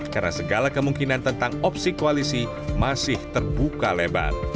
karena segala kemungkinan tentang opsi koalisi masih terbuka lebar